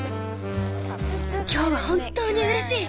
今日は本当にうれしい！